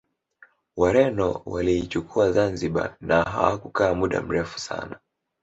Wareno waliichukua Zanzibar na hawakukaa muda mrefu sana